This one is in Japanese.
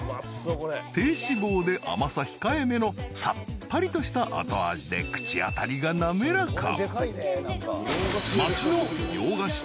［低脂肪で甘さ控えめのさっぱりとした後味で口当たりが滑らか］